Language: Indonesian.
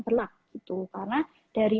berlemak karena dari